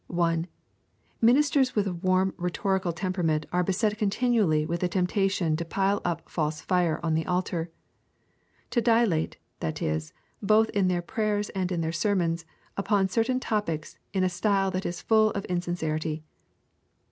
(1) Ministers with a warm rhetorical temperament are beset continually with the temptation to pile up false fire on the altar; to dilate, that is, both in their prayers and in their sermons, upon certain topics in a style that is full of insincerity.